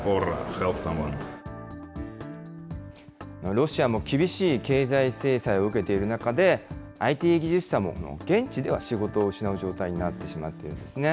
ロシアも厳しい経済制裁を受けている中で、ＩＴ技術者も現地では仕事を失う状態になってしまっているんですね。